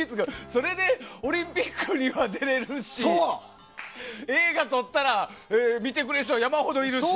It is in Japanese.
それでオリンピックには出れるし映画撮ったら見てくれる人は山ほどいるし。